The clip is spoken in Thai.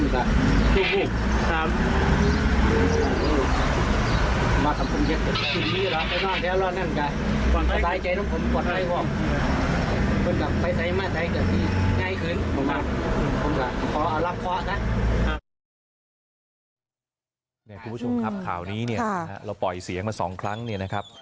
คุณผู้ชมครับข่าวนี้เนี่ยเราปล่อยเสียงมา๒ครั้งเนี่ยนะครับ